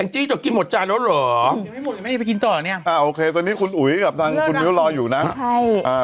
จิ๊กจะกินหมดจานแล้วหรอไม่กินต่อเนี่ยโอเคตอนนี้คุณอุ๋ยกำลังคุณวิวรออยู่นะ